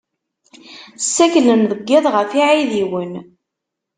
Ssaklen deg iḍ ɣef yiɛidiwen.